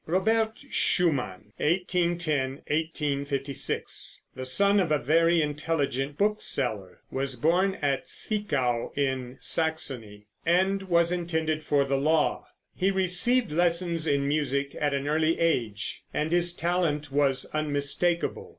Robert Schumann (1810 1856), the son of a very intelligent book seller, was born at Zwickau, in Saxony, and was intended for the law. He received lessons in music at an early age, and his talent was unmistakable.